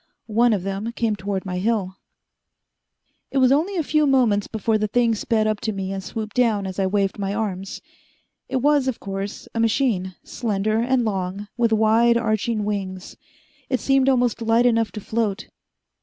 One of them came toward my hill. It was only a few moments before the thing sped up to me and swooped down as I waved my arms. It was, of course, a machine, slender and long, with wide arching wings. It seemed almost light enough to float.